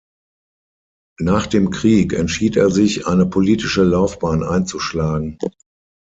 Nach dem Krieg entschied er sich eine politische Laufbahn einzuschlagen.